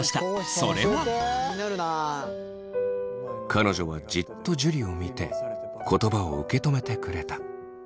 彼女はじっと樹を見て言葉を受け止めてくれた。